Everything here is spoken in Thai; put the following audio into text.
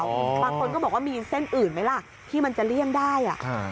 บางคนก็บอกว่ามีเส้นอื่นไหมล่ะที่มันจะเลี่ยงได้